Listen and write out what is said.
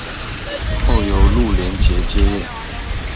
后由陆联捷接任。